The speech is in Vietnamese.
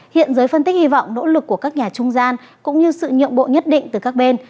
hiện giới phân tích hy vọng nỗ lực của các nhà trung gian cũng như sự nhượng bộ nhất định từ các bên